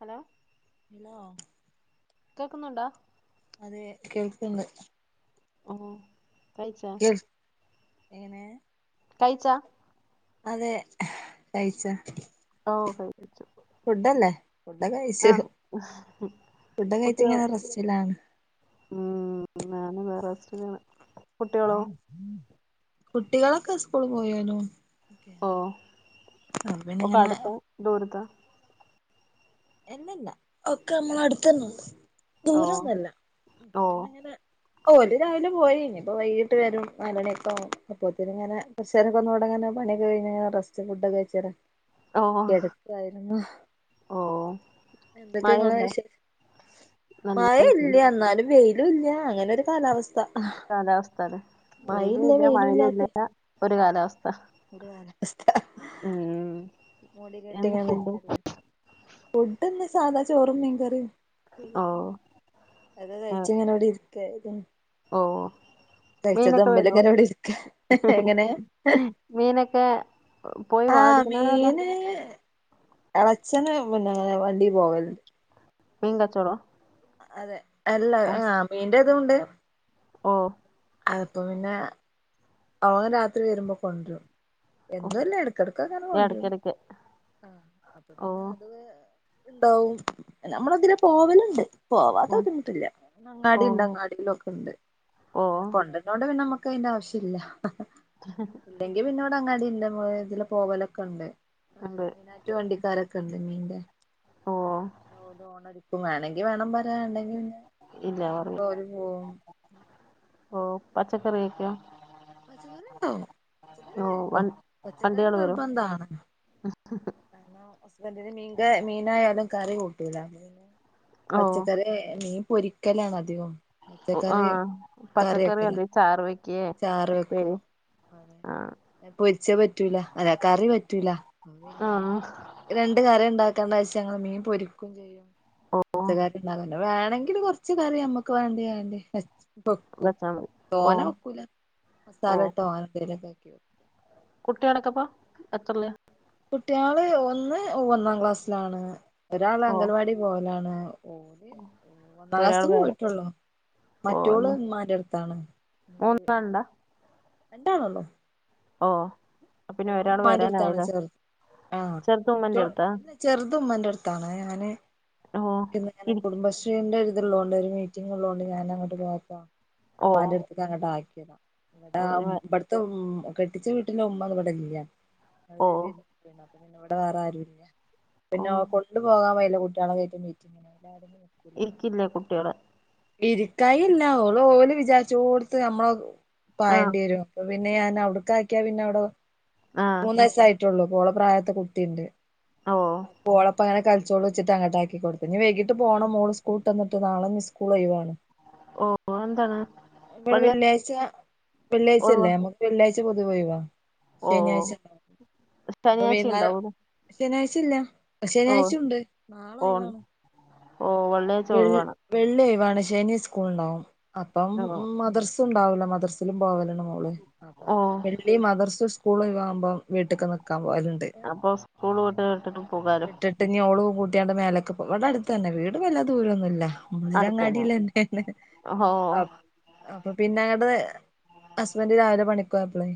Hello hello കേക്കുന്നുണ്ടോ അതെ കേൾക്ക്ണ്ട് ഓ കൈച്ചൊ കേൾ എങ്ങനെ കയിച്ചോ അതെ കയിചോ ഓ കഴിച്ചു ഫുഡല്ലേ ഫുഡൊക്കെ കഴിച്ചു ആ ഫുഡ് കുട്ടിയോ കഴിച്ചിങ്ങനെ റസ്റ്റിലാണ് ഉം നാന് വേറെസ്സ്ലാണ് കുട്ട്യാളോ കുട്ടികളൊക്കെ സ്കൂള് പോയേനു ഓഹ് ഒക്കെ ഇങ്ങനെ അട്ത്താ ദൂരെത്താ എല്ലല്ലാ ഒക്കെ നമ്മളെ അട്ത്തെന്നാെണ്ട് ഓ ദൂരൊന്നല്ല അപ്പം ഓ പിന്നെങ്ങനെ ഓല് രാവിലെ പോയെയ്ഞ്ഞ് അപ്പൊ വൈകീട്ട് വെരും നാലണ്യൊക്കാവും അപ്പോത്ത്ന്ങ്ങനെ കൊർച്ചേരൊക്കൊന്ന് വടെങ്ങെനെ പണിയൊക്കെ കഴിഞ്ഞ്ങ്ങെനെ റസ്റ്റ് ഫുഡൊക്കെയ്ച്ചേര ആഹ് ഓഹ് എന്തൊക്കെങ്ങളെ വിശേഷ് നല്ല വിശേ- മഴല്ല്യാ ന്നാലും വെയ് ലുല്ല്യാ അങ്ങനൊരു കാലാവസ്ഥാ കാലാവസ്ത ലേ വെയിലൂല്ലാ വെയിലുല്ലാത്ത മഴയൂല്ലെഞ്ഞാ ഒര് കാലാവസ്ഥാ ഒരു കാലാവസ്ഥ ഉം ഊം മൂടി കെട്ടിങ്ങെ നിക്കല്ലേ ഫുഡ്ന്ന് സാധാ ചോറും മീൻകറിം ഓ പ്പേര്യൊക്കെണ്ട് അത് കയ്ച്ച്ങ്ങനവടെ ഇര്ക്കാ ഇത് ഓഹ് മീനെക്കെ തമ്മില് വര്വോ ഇങ്ങനെ ഇവിടെ ഇരിക്ക എങ്ങനെ മീനെക്കേ പോയ് ആഹ് വാടിക്ക്ണേതാ മീന് എളച്ചന് പിന്നെ അങ്ങനെ വണ്ടീ പോകല് മീൻ കച്ചോടോ അതെ അല്ല ആഹ് മീന്റെതൂണ്ട് ഓഹ് അതപ്പം പിന്നെ ഓൻ രാത്രി വെര്മ്പം കൊണ്ട്രും ഓ എന്നുല്ല എടക്കെടക്ക്ങ്ങനെ കൊണ്ട്രും ഇടയ്ക്കിടയ്ക്ക് ആഹ് അപ്പൊ ഓ പിന്നെ അത് ത്ണ്ടാവും അല്ല മ്മളെതിലെ പോവല്ണ്ട് പോവാത്തെ ഓ ബുദ്ധിമുട്ടില്ല ഓ അങ്ങാടിണ്ട് അങ്ങാ ടീലൊക്കെണ്ട് ഓ ങ്ങനെ കൊണ്ടര്നോണ്ട് നമ്മക്ക് അയ്ന്റെ ആവശ്യ ഇല്ലാ ല്ലെങ്കി പിന്നെവടെ അങ്ങാടിണ്ട് ഇതിലെ പോവലൊക്കെണ്ട് ഉണ്ട് റ്റ് വണ്ടിക്കാരൊക്കെണ്ട് മീന്റെ ഓ ഓല് ഓണടിക്കും വേണെങ്കി വേണം പ വേണ്ടെങ്കി പിന്നെ ഇല്ല അപ്പോല് പോവും ഓഹ് പച്ചക്കറിയൊക്കെയോ പച്ചക്കറിണ്ടോ പച്ചക്കറി ഓ വ കയ്ക്കും പച്ചക്കറി വണ്ടികൾ വരും നിർബന്ധാണ് കാര്ണം ഹസ്ബന്റിന് മീങ്ക മീനായാലും കറി കൂട്ടൂല അപ്പൊ പിന്നെ ഓ പച്ചക്കറി ആയാ മീൻ പൊരിക്കലാണ് അധികും ആഹ് പച്ചക്കറി അല്ലേ ചാറ് വെ ചാറ് വെക്കും ആ പൊരിച്ചത് പറ്റൂല അല്ല കറി പറ്റൂലാ ആഹ് ഈ രണ്ട് കറിണ്ടാക്കാ പക്ഷേ ങ്ങള് മീൻ പൊരിക്കും ചെയ്യും ഓ പച്ചക്കറിണ്ട് അങ്ങനെ വേണെങ്കില് കൊർച്ച് കറി ഞമ്മക്ക് വേണ്ട്‌യാണ്ട് വെച് വെക്കും വെച്ചാ മതി ഓ തോനെ വെക്കൂല ഓ മസാലട്ടോ അങ്ങനെന്തേലൊക്കെ ആക്കി വെ കുട്ടികളൊക്കെപ്പം എത്രല്ലാ കുട്ട്യാള് ഒന്ന് ഒന്നാം ക്ലാസ്സ്ലാണ് ഒരാള് ഓ അങ്കൽവാടി പോവലാണ് ഓഹ് ഒന്നാം ഇപ്പൊ ഒരാൾ ക്ലാസ്ത്തത് വേറെ പോയിട്ടാെള്ളൂ ഓ മറ്റോള് ഇനി മ്മാന്റെട്ത്താണ് മൂന്നാളുണ്ടാ രണ്ടാളൊള്ളൂ ഓഹ് പ്പ പിന്നെ ഓളും ഒരാള് ഉമ്മാന്റെ അടുത്താണ് വരാനായ്ലേ ചെറുത് ചെർത് ഉമ്മെന്റെട്ത്താ ചെർത് ഉമ്മെന്റെട്ത്താണ് ഞാന് ഓ ൻക്ക്ന്ന്ങ്ങനെ ഇരി കുടുംബ ശ് ഷീന്റെര്ത്ള്ളോണ്ട് ഒര് മീറ്റിങ്ങ് ള്ളാേണ്ട് ഞാനങ്ങട്ട് പോയപ്പോ ഓ ഉമ്മാന്റെട് ത്ത്ക്കങ്ങട്ട് ആക്ക്യതാ ഓ ഇവടാ ഒരു വ- ഇബ്ട്ത്തെ ഉം കെട്ടിച്ച വീട്ട്ലെ ഉമ്മവ്ടെ ഇല്ലാ ഓഹ് പിന്നെ അപ്പ പിന്നെ ഇവിടെ വേറാരൂല്ല്യ. പിന്നെ ഓ കൊണ്ടു പോകാൻ വയ്ല കു ട്ട്യാളെ കേറ്റും മീറ്റിങ്ങിന് [unintelligible] ഇര്ക്കില്ലേ കുട്ടിയേള് ഇരിക്കായി ഇല്ല ഓള് ഓല് വിചാരിച്ചോട്ത്ത് നമ്മള് ആ പായണ്ടി വരും. അപ്പ പിന്നെ ഞാൻ ഔട്ക്കാക്കിയാ പിന്നെ ഔടൊ ആഹ് മൂന്നയസായിട്ടൊള്ളൂ. ഇപോ ഓള പ്രായത്ത് കുട്ടിണ്ട്. ഓ അപോളപ്പങ്ങനെ കൾ ചോളു വെച്ചിട്ട് അങ്ങട്ടാക്കി കൊടുത്ത് ഇനി വൈകിട്ട് പോണം മോളു സ്കൂൾട്ട് വന്നിട്ട് നാളെ ഞ് സ്കൂൾ ഒഴിവാണ്. ഓ എന്താണ് ഇവിടെ പള്ളി വെള്ളിയാഴ്ച, ഒഴിവാ വെള്ളിയാഴ്ചെല്ലേ നമ വെള്ളിയാഴ്ച പൊതു ഒഴിവാ ഓ ശനിയാഴ്ച ണ്ടാവും. അപ്പൊ ശനിയാഴ്ച വൈന്നാരം ശനിയാഴ്ച ഇല്ല. ഓഹ് ശനിയാഴ്ച ഉണ്ട് ഓഹ് ഓഹ് വെൾ വെൾ വെള്ളിഒഴിവാണ്. ശനി സ്കൂള് ണ്ടാവും. അപ്പം ഓ മദർസ് സുണ്ടാവൂല. മദ്രസിലും പോവല്ണ്ട് മോള് അപ്പം ഓ വെള്ളി മദർസുസ്കൂളും ഒഴവാവുമ്പം വീട്ടിക്ക് നിക്കാൻ പോവല്ണ്ട്. അപ്പം സ്കൂൾ [unintelligible] ട്ട് ഇഞ് ഓളും കൂട്ടിയാണ്ട് മേലക്ക് ഇപ്പം. ഇവടെ അടുത്തന്നെ. വീട് വല്ലാ ദൂരൊന്നു ല്ല. അടുത്തന്നെ മോളിലങ്ങാടലെന്നേണ്. ഓ അ അപ്പ പിന്നെ അങ്ങടെ ഹസ്ബൻഡ് രാവിലെ പണിക്കോയ്പളേ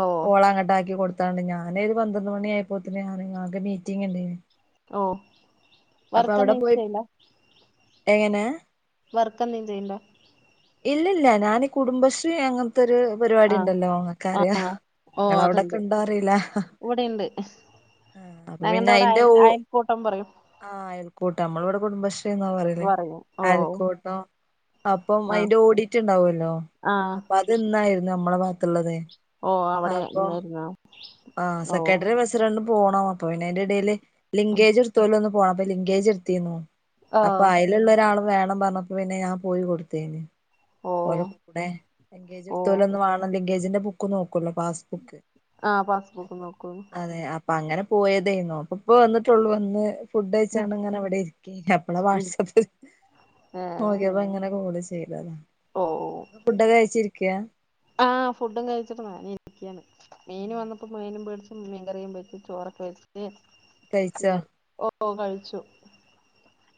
ഓ ഓളെ അങ്ങട്ട് ആക്കി കൊടുത്താണ്ട് ഞാന് ഒരു പന്ത്രണ്ട് മണി ആയപ്പോത്തിന് ഞാന് ഞാക് മീറ്റിംഗ് ഇണ്ടേന്. ഓഹ് വർക്ക് എന്തേലും പോയി ചെയ്ണ്ടോ? എങ്ങനെ വർക്ക് എന്തേം ചെയ്യ്ണ്ടോ? ഇല്ലല്ല ഞാൻ കുടുംബശ്രീ അങ്ങൻത്തൊര് പരിപാടി ആഹ് ഇണ്ടല്ലോ. ഇങ്ങക്കറ്യ, ആഹ് ഓ ഇങ്ങള അതുണ്ട് അവ്ടൊക്കെണ്ടോ അറീല്ല. ഞങ്ങണ്ടെ വടെ അയിന്റെ അയൽ ഓ അയൽക്കൂട്ടം പറയും. ആഹ് അയൽക്കൂട്ടം. നമ്മളി ഇവിടെ കുടുംബശ്രീ എന്നാ പറയല് പറയും ഓ അയൽക്കൂട്ടം അപ്പൊ ആഹ് അയിന്റെ ഓഡിറ്റ് ഉണ്ടാവല്ലോ ആഹ് അപ്പൊ അതിന്നായിരുന്നു നമ്മളെ ഭാഗത്തുള്ളതേ ഓഹ് അവിടെ ഇന്നേര്ന്നോ? ആഹ് സെക്രട്ടറി പ്രസിഡണ്ടും പോണം അപ്പൊ പിന്നെ അയ്ന്റെടേൽ ലിങ്കേജ് ഇടത്തോ ലൊന്ന് പോണം അപ്പൊ ലിങ്കേജ് ഇട്ത്തീന്നു ഓ അപ്പയ് ല്ള്ള ഒരാള് വേണം പറഞ്ഞപ്പോ പിന്നെ ഞാൻ പോയി കൊടുത്തനി. ഓ ഓലെ കൂടെ ലങ്കേജ് ഓ ഇടത്തോലൊന്നു വാണം ലിങ്കേജിന്റെ ബുക്ക് നോക്കുല്ലോ പാസ്ബുക്ക് ആഹ് പാസ് അപ്പ അതെ അപ്പൊ അങ്ങനെ പോയതേന്നു. അപ്പ ഇപ്പൊ വന്നിട്ടൊള്ളൂ. വന്ന് ഫുഡഴിച്ചാണ്ട് ഇങ്ങനെ വടെ ഇരിക്കേ അപ്പളാ വാട്സപ്പ് നോക്കിയപ്പ ഇങ്ങനെ കോള് ചെയ്തതാ. ഒ ഒ ഔ ങ ഫുഡൊക്കെ കഴിച്ചിരിക്കാ? ആഹ് ഫുഡും കഴിച്ചിട്ട് [unintelligible] ഇരിക്ക്യാണ് മീന് വന്നപ്പം മീനും വേടിച് മീൻ കറിയും വച്ച് ചോറൊക്കെ വെച്ച് കഴിച്ചോ [unintelligible] ഓഹ് കഴിച്ചു.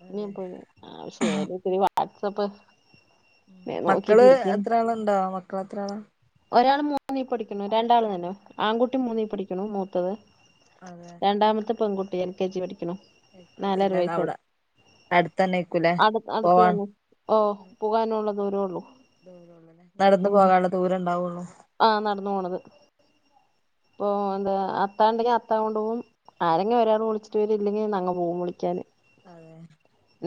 ഇനി അതെ പോയ്നി ആ [unintelligible] വാട്സആപ്പ് ഉം മക്കള് എത്രാള്ണ്ടോ. മക്കൾ എത്ര ആളാ? ഒരാൾ മൂന്നീ പഠിക്കുണു രണ്ടാൾ തന്നെ ആൺകുട്ടി മൂന്നീ പഠിക്കുണു. മൂത്തത് [unintelligible] രണ്ടാമത്തെ പെൺകുട്ടി എൽ കെ ജി പഠിക്കുണു. എൽ കെ നാലര ജിലാണ് വയസായി. അവിടെ അടുത്തന്നേക്കൂലേ അടു അടുത്ത് പോവാൻ തന്നെ ഓഹ് പോകാനുള്ള ദൂര ഒള്ളൂ. ദൂരൊള്ളു ലേ. നടന്ന് പോകാള്ള ദൂരണ്ടാവുള്ളു. ആഹ് നടന്ന് പോണത്. ഇപ്പൊ എന്താ അത്താ ഇണ്ടെങ്കി അത്താ കൊണ്ടോവും. ആരെങ്കി ഒരാൾ വിളിച്ചിട്ട് വരും ഇല്ലെങ്കി നങ്ങ പോവും വിളിക്കാന്. അതെ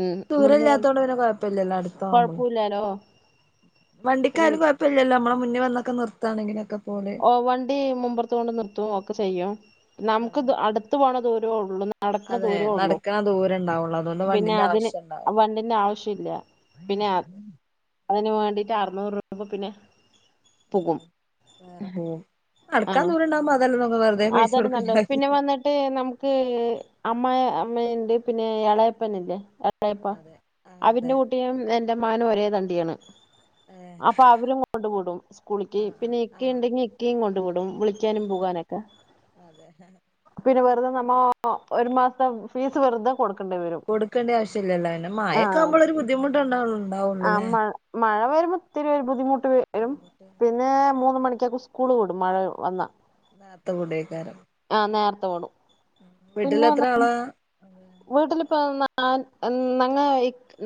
ഉം ഇവിടുന്ന് ദൂരല്ലാത്തോണ്ട് പിന്നെ കൊഴപ്പില്ലല്ലോ അടുത്തവുമ്പോളും. കൊഴപ്പമില്ലാലോ പിന്നെ വണ്ടിക്കാര് കൊഴപ്പല്ല്യല്ലോ മ്മള് മുന്നി വന്നൊക്കെ നിർത്താണെങ്കിലൊക്കെ പോലെ. ഓ വണ്ടി മുമ്പറത്ത് കൊണ്ട് നിർത്തും ഒക്കെ ചെയ്യും. അതെ നമുക്ക് അടുത്ത് പോണ ദൂരള്ളൂ നടക്കണ അതെ ദൂരോഉള്ളൂ നടക്കണ ദൂരം ഉണ്ടാവുള്ളൂ അതുകൊണ്ട് പിന്നെ വണ്ടിന്റെ അതിന് ആവശ്യം ഉണ്ടാവും വണ്ടിന്റെ ആവശ്യല്ല. പിന്നെ അതിന് വേണ്ടിട്ട് അറുന്നൂറ് രൂപ പിന്നെ പോകും. വേറെ പോവും. ആ നടക്കാൻ ദൂരണ്ടാവുമ്പോ അതല്ലേ നമ്മക്ക് വേ അതാണ് നല്ലത് പിന്നെ വന്നി ട്ട് നമുക്ക് അമ്മയമ്മയ്ണ്ട് പിന്നെ എളയപ്പൻ ഇല്ലേ എളയപ്പാ അതെ ആഹ് അതെ അതിൻ്റെ കുട്ടീം എന്റെ മകനും ഒരേ തണ്ടിയാണ്. അപ്പൊ അവരും കൊണ്ട് വിടും സ്കൂളിക്ക് ആഹ് പിന്നെ ഇക്കേണ്ടെങ്കി ഇക്കിം കൊണ്ട് വിടും വിളി ഓ അതെ പിന്നെ വെറുതെ നമ്മ ഒരു മാസത്തെ ഫീസ് വെറുതെ കൊടുക്കണ്ടി വരും. കൊടുക്കേണ്ട ആവശ്യല്ലല്ലോ പിന്നെ മഴക്കാവുമ്പോളാ ഒരു ബുദ്ധിമുട്ടുഉണ്ടാവും. ആ മഴ മഴ വരുമ്പോ ഇത്തിരി ഒരു ബുദ്ധിമുട്ട് വരും ബുദ്ധിമുട്ട് പിന്നെ മൂന്ന് മണിക്കൊക്കെ സ്ക്കൂ ളു വിടും മഴ വന്നാ. നേർത്ത വിടേക്കാരം. ആഹ് നേർത്തെ വിടും. വീട്ടില് എത്ര ആള? വീട്ടിലിപ്പം നാൻ നങ്ങ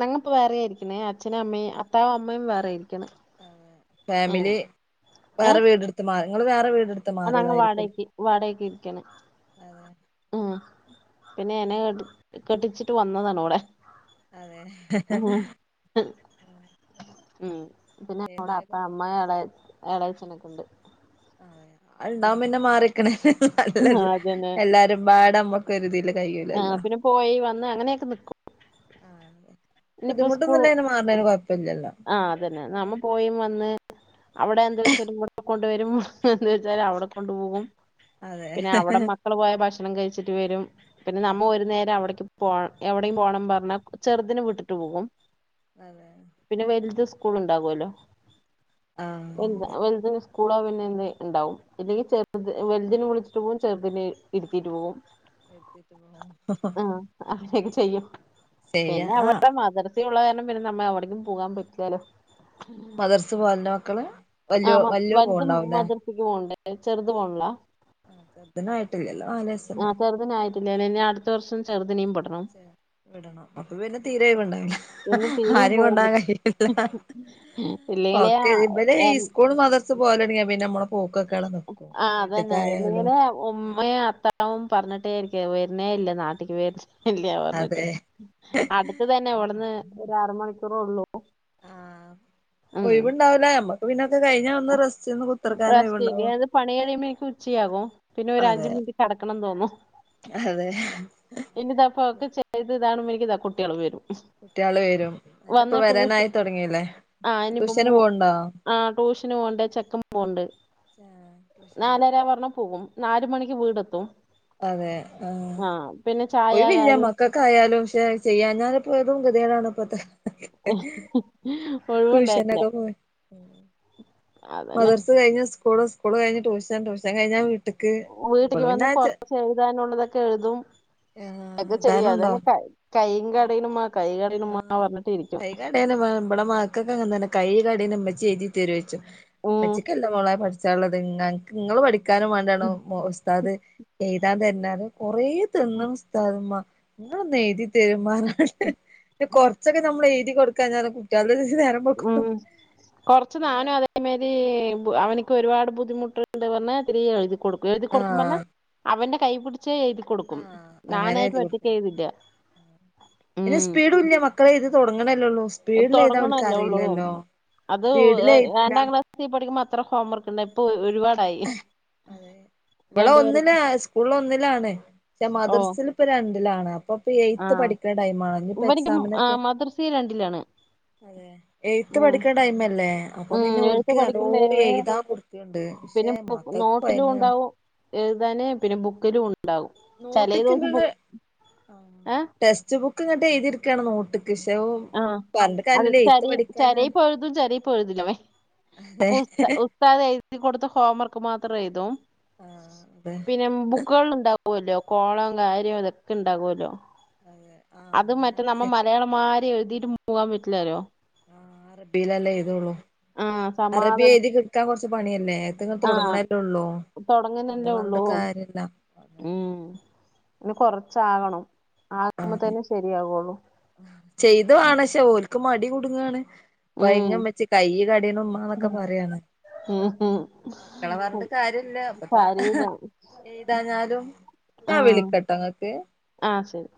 നങ്ങപ്പോ വേറെ ഇരിക്കുന്നേ അച്ഛനും അമ്മയും അത്താവും അമ്മയും വേറെ ഇരിക്കണ്. അതെ ഉം ഫാമിലി വേറെ ഏഹ് വീടെടുത്ത് മാറ ഇങ്ങള് വേറെ വീടെ അത് നങ്ങ വാടകക്ക് വാടകക്കിരിക്കാണ്. അതെ ഉം പിന്നെ എന്നെ കെട്ടി കെട്ടിച്ചിട്ട് വന്നതാണ് ഇവടെ. അതെ ഉം പിന്നെ അവടെ ഏതായാലും അത്ത അമ്മായവടെ എളേച്ചനൊക്കണ്ട്. അത് ഇണ്ടാവും പിന്നെ മാറിക്കണല്ലേ ആ നല്ലത് അതന്നെ എല്ലാരും പാടെമ്മു ക്കൊരുതില് ആ കയൂലല്ലോ പിന്നെ പോയി വന്ന് അങ്ങനെയൊക്കെ നിക്കും ആഹ് ഇനിയിപ്പോ സ്കൂള് ബുദ്ധിമുട്ടൊന്നുല്ലേല് മാറണേന് കൊയപ്പല്ലല്ലോ? ആ അതന്നെ നമ്മ പോയും വന്ന് അവിടെ എന്ത വെച്ചാലും ഇവട കൊണ്ട് വരും ഇവടെ എന്ത് വെച്ചാലും അവിടെ കൊണ്ടു പോവും. അതെ പിന്നെ അവിടെ മക്കള് പോയ ഭക്ഷണം കഴിച്ചിട്ട് വരും. പിന്നെ നമ്മ ഒരു നേരം അവിടേക്ക് പോ എവിടേം പോണം പറഞ്ഞാ ചെറുതിന് വിട്ടിട്ട് പോകും. അതെ പിന്നെ വലുത് സ്കൂള് ഇണ്ടാകുവല്ലോ ആഹ് അതെ വലുതിന് സ്‌കൂളാവും പിന്നെന്നെ ഇണ്ടാവും. ഇല്ലെങ്കിൽ ചെറുത് വെലുതിനെ വിളിച്ചിട്ട് പോകും ചെറുതിനെ ഇരുത്തിട്ട് പോവും. ഇരുത്തിട്ട് പോവും ഹ ഹാ അങ്ങനെയൊക്കെ ചെയ്യും പിന്നെ അവ ആഹ് മദർസെ ഉള്ള കാരണം പിന്നെ നമ്മ എവിടേക്കും പോവാൻ പറ്റില്ലല്ലോ. മദർസെ പോവാറുണ്ടോ മക്കള് വല്യോ വല്യോള് പോവണ്ടാവുല്ലേ? ക്ക് പോണ്ട് ചെറുത് പോണില്ല. ചേർത്തിനുആയിട്ടില്ലല്ലോ ആലസ് ആ ചെറുതിന് ആയിട്ടില്ലാ ഇനി അടുത്ത വർഷം ചെറുതിനേം ബിടണം. വിടണം അപ്പൊ പിന്നെ തീരെ ഒയിവുണ്ടാവില്ല. പിന്നെ തീരെയും ആരും പോകാൻ കൊണ്ടാൻ പറ്റില്ല കഴിയില്ല. ഇല്ലെങ്കിലേ ഓക്കേ ഇബഡേ ഈ സ്കൂൾ മദ്റസ പോലാണെങ്കി ഇട പിന്നെ മ്മടെ പോക്കൊക്കെവിടെ നിക്കും ആ അതന്നെ വീട്ടിക്കായാലോ ഇല്ലെങ്കിലേ ഉമ്മയും അത്താവും പറഞ്ഞിട്ടേ ഇരിക്ക വരുന്നേ ല്ല നാട്ടിക്ക് വര്ന്നേ ഇല്ല്യാ പർഞ്ഞിട്ടെ. അതെ അടുത്ത് തന്നെ. ഇവട്ന്ന് ഒരു ആറുമണിക്കൂറൊള്ളൂ ആഹ്. ഒഴിവുണ്ടാവൂല. ഞമ്മക്ക് പിന്നക്കെ കഴിഞ്ഞി റസ്റ്റ് [unintelligible] പണി കഴിയുമ്പേക്കും ഉച്ചയാകും! പിന്നെ ഒരു അതെ അഞ്ച് മിനിറ്റ് കെടക്കണം തോന്നും അതെ പിന്നെ താ പൊക്കെ ചെയ്ത് താണു മ്പേക്കും താ കുട്ടിയേളും വരും കുട്ട്യാള് വരും. ഇന്ന് പ്പൊ വന്ന് ട്യൂഷൻ വരാനായിത്തൊടങ്ങില്ലേ. ആഹ് ഇനിയിപ്പം ട്യൂഷന് മു പോൺണ്ടോ? ആഹ് ട്യൂഷന് പോണ്ട്. ചെക്കം പോണ്ട്. നാലര പറഞ്ഞാപോകും. നാല് മണിക്ക് വീടെത്തും. അതെ ആഹ്. പിന്നെ ചായ ഒഴിവില്ല കാര്യം മക്ക ക്കായാലും ക്ഷെ ചെയ്യാഞ്ഞാലും പ്പതും കെത്യേടാണ് ഇപ്പത്തെ ക്കെ ഒഴിവുണ്ടായി ട്യൂഷനക്കൊ പോയി അതന്നെ മദർസ്സ് കഴിഞ്ഞാ സ്ക്കൂള്, സ്ക്കൂള് കഴിഞ്ഞ് ടൂഷൻ, ടൂഷൻ കഴിഞ്ഞാ വീ വീട്ടിക്കി വന്ന് കൊറച്ച് എഴുതാനുള്ളതൊക്കെ എഴുതും അക്കെ ആഹ് ചെയ്യും. താനുണ്ടോ അതന്നെ കൈ കൈയ്യുംകടേയ്ണ് മ്മാ കൈ ക ആഹ്. കൈ കടേനുമ്മാ ഇബടെ മക്കക്കങ്ങൻ തന്നെ കൈ കടേണു മ്മച്ചെയ്‌തി തരോയ്ച്ചും. ഉം മ്മച്ചിക്കല്ല മോളേ പഠിച്ചാള്ളത് ങ്ങ ങ്ങള് പഠിക്കാനും വാണ്ടിയാണ് മൊ ഉസ്താദ് എയ്താൻ തെര്നാറിം. കൊറേ തെന്ന്ണ് ഉസ്‌ [unintelligible] മ്മാ. ഇങ്ങളൊന്നെഴുതി തെരൊമ്മാ റിഞ്ഞാണ്ട്. കൊറച്ചൊക്കെ നമ്മൾ എഴുതി കൊട് ക്ക തോലെ കുട്ട്യാള് [unintelligible] നേരം മ്. വെളുക്കും കൊർച്ച് ഞാനും അതെ അമേരി ബു അവന്ക്ക് ഒരുപാട് ബുദ്ധിമുട്ട്ണ്ട് പർന് ഇത്തിരി എഴുതി കൊടുക്കും. എഴ്തി കൊടുക്കും പറഞ്ഞ ആഹ് അവന്റെ കൈപുടിച്ച് എഴുതി കൊടുക്കും. ആഹ് അങ്ങനെ ഞാനായിട്ട് എഴുതി ഒറ്റക്ക് കൊടുക്കണം എഴതില്ല. പിന്നെ സ്പീഡുല്യ. മക്കള് എഴുതി തുടങ്ങണല്ലെള്ളൂ. സ്പീഡിലെഴുതാ ഓൽക്ക് തൊടങ്ങണല്ലേ ഉള്ളൂ അറിയില്ലല്ലോ. സ്പീഡിലെഴുതൂല. സീ പഠിക്കുമ്മ അത്ര ഹോംവർക്ക് ണ്ടായി. ഇപ്പൊ ഒ ഒരുപാട് അതെന്നെ. ഇബളൊ രണ്ടുപേരും ഒന്നിലാ സ്കൂളിലൊന്നിലാണ്. ഷെ ഓ മദർസില് ഇപ്പൊ രണ്ടിലാണ്. അപ്പൊ പ്പെ ആ ഏയ്ത്തെ പഠിക്കണ ടൈമാണ്. ഇഞ്ഞിപ്പൊ ഇവനിക്ക് എക്സാമിനൊക്കെ മദർസി രണ്ടിലാണ് അതെ. ഏയ്ത്തെ ഉം. പഠിക്ക ടൈമല്ലേ. അപ്പൊ ഉം, പിന്നെ എഴുത്ത് ഓൽക്ക് അല്ലോ എഴുതാ കൊടുക്ക്ണ്ട്. നോട്ടിലു ഉണ്ടാവും എഴുതാന്. പിന്നെ ബുക്കിലും ഉണ്ടാവും. ചലേ ദിവസം ബു ഏ? ടെസ്റ്റ് ബുക്ക് ഇങ്ങട്ട് എഴുതിട്ക്കാണ് നോട്ട് കിശവും. ആ പർഞ്ഞിട്ട് അത് കാര്യല്ലല്ലൊ എയ്ത്ത് ചരി പഠിക്കാനാണ് ചരയിപ്പ് എഴുതും ചരയിപ്പ് തെ സ്താദ് എഴുതി കൊട്ത്ത ഹോം വർക്ക് മാത്രം എഴുതും ആഹ്. തെ പിന്നെ ബുക്കുകൾള്ള് ണ്ടാവൊല്ലോ കോളം കാര്യം അതൊക്കെ ണ്ടാവൊല്ലോ. അതെ ആ അത് മറ്റേ അങ്ങനെയൊക്കെ നമ്മ ചെയ്യ മലയാളമ്മാരി എഴുതിയിട്ട് പൂവാൻ പറ്റിലാല്ലോ? അറബിലല്ലേ എയ്തോള്ളൂ. ആഹ് സമാധ അറബി എഴുതി കിട്ടാൻ കൊർച്ച് പണിയല്ലേ. [unintelligible] ആഹ് തുടങ്ങണല്ലൊ ള്ളൂ. [unintelligible] പറഞ്ഞിട്ട് കാര്യല്ല. മ്. പിന്നെ കൊറച്ചാകണം. ആകുമ്പൊ തന്നെ ശരിയാകുള്ളു ചെയ്ത് വാണം ഷെ. ഓൽക്ക് മടി കുടുങ്ങാണ്. ഉം കൊയങ്ങമ്മച്ചീ കൈയ്യ് കടിയിണ് മ്മാന്നൊക്കെ പറയാണ് ഉം മക്കളെ ഉം പറഞ്ഞിട്ട് കാര്യുല്ല. പ്പന്താ കാര്യമില്ല എയ്താഞ്ഞാലും ഞാ വിളിക്കട്ടൊ ങ്ങക്ക്. ആ ശരി.